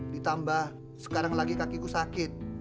ditambah sekarang lagi kakiku sakit